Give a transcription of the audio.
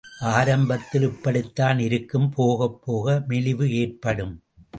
ஆரம்பத்தில் இப்படித்தான் இருக்கும், போகப்போக மெலிவு ஏற்படும்.